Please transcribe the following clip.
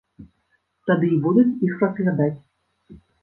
Тады і будуць іх разглядаць.